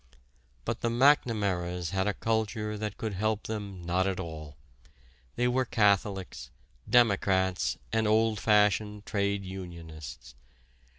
But the McNamaras had a culture that could help them not at all. They were Catholics, Democrats and old fashioned trade unionists.